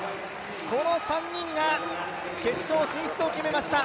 この３人が、決勝進出を決めました。